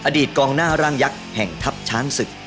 อดีตกองหน้าร่างยักษ์แห่งทัพช้างศึก